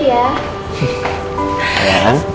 ya udah rahat ya